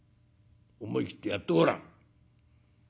思い切ってやってごらん」。